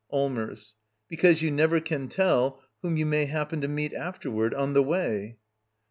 Allmers. Because you never can tell whom you V'may happen to meet afterward — on the way.